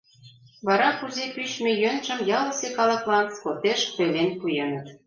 Вара кузе пӱчмӧ йӧнжым ялысе калыклан скотеш ойлен пуэныт.